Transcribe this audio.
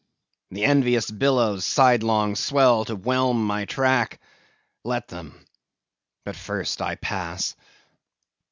The envious billows sidelong swell to whelm my track; let them; but first I pass.